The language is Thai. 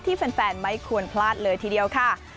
แฟนไม่ควรพลาดเลยทีเดียวค่ะ